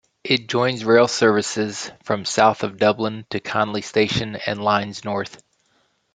It joins rail services from south of Dublin to Connolly Station and lines north.